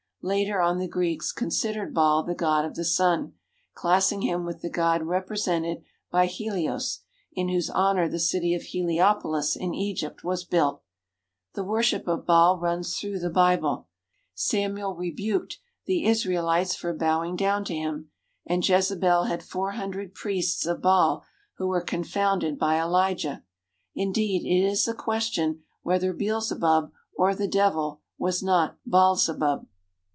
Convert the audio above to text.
Later on the Greeks considered Baal the god of the sun, classing him with the god represented by Helios, in whose honour the city of Heliopolis in Egypt was built. The worship of Baal runs through the Bible. Samuel rebuked the Israelites for bowing down to him, and Jezebel had four hundred priests of Baal who were confounded by Elijah. Indeed, it is a question whether Beelzebub, or the devil, was not Baalzebub.